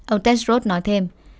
ông tedros nói thêm